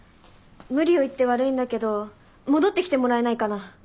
無理を言って悪いんだけど戻ってきてもらえないかな。